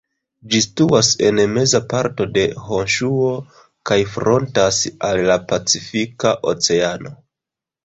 Ĝi situas en meza parto de Honŝuo kaj frontas al la Pacifika Oceano.